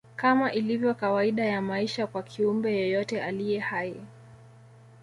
Kama ilivyo kawaida ya maisha kwa kiumbe yeyote aliye hai